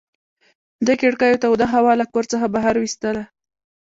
دې کړکیو توده هوا له کور څخه بهر ویستله.